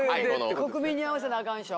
国民に合わせなあかんでしょ。